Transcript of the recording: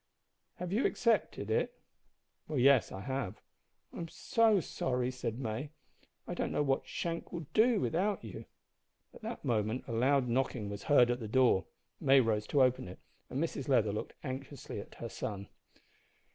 "Have you accepted it?" "Well, yes. I have." "I'm so sorry," said May; "I don't know what Shank will do without you." At that moment a loud knocking was heard at the door. May rose to open it, and Mrs Leather looked anxiously at her son.